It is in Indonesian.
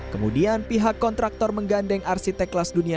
kemudian pihak kontraktor menggandeng arsitek kelas dunia